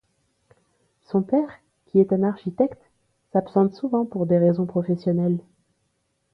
Son père, qui est un architecte, s'absente souvent pour raisons professionnelles.